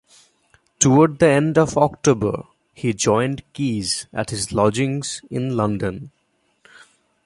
Toward the end of October he joined Keyes at his lodgings in London.